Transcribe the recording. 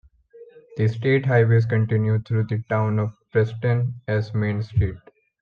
The state highways continue through the town of Preston as Main Street.